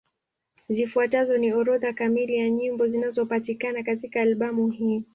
Zifuatazo ni orodha kamili ya nyimbo zinapatikana katika albamu hii.